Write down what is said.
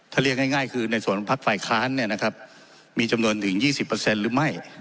ถ้าเรียกง่ายง่ายคือในส่วนพักฝ่ายค้านเนี้ยนะครับมีจำนวนถึงยี่สิบเปอร์เซ็นต์หรือไม่